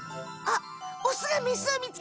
あっ！